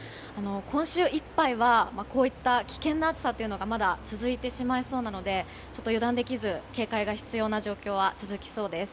今週いっぱいはこういった危険な暑さがまだ続いてしまいそうなので油断できず警戒が必要な状態は続きそうです。